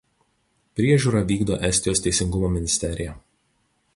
Priežiūrą vykdo Estijos teisingumo ministerija.